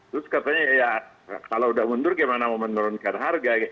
terus katanya ya kalau udah mundur gimana mau menurunkan harga